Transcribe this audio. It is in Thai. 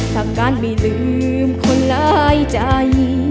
ถ้าการไม่ลืมคนลายใจ